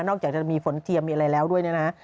นอกจากมีฝนเทียบมีอะไรแล้วด้วยนะฮะ